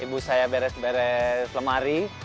ibu saya beres beres lemari